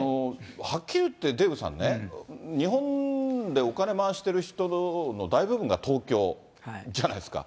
はっきり言って、デーブさんね、日本でお金回している人の大部分が東京じゃないですか。